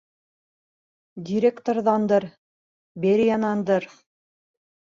Директорҙандыр, Бериянандыр.